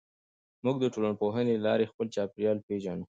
موږ د ټولنپوهنې له لارې خپل چاپېریال پېژنو.